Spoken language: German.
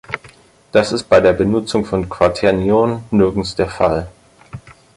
Dies ist bei der Benutzung von Quaternionen nirgends der Fall.